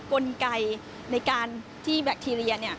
กลไกในการที่แบคทีเรีย